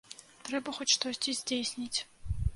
Трэба хоць штосьці здзейсніць.